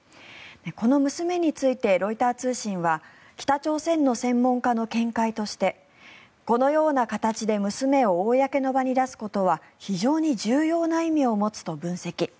この娘についてロイター通信は北朝鮮の専門家の見解としてこのような形で娘を公の場に出すことは非常に重要な意味を持つと分析。